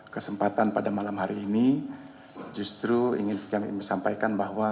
kesempatan pada malam hari ini justru ingin kami sampaikan bahwa